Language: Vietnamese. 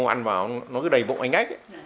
ăn vào nó cứ đầy bụng ánh ách